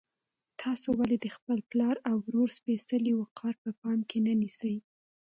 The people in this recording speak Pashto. تاسو ولې د خپل پلار او ورور سپېڅلی وقار په پام کې نه نیسئ؟